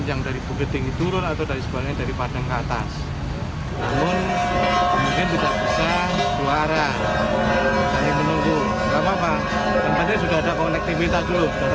yang dari bukit tinggi turun atau dari padang